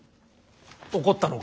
怒ったのか？